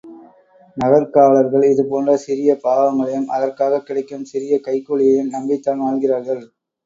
நகர்க்காவலர்கள், இதுபோன்ற சிறிய பாவங்களையும் அதற்காகக் கிடைக்கும் சிறிய கைக்கூலியையும் நம்பித்தான் வாழ்கிறார்கள்!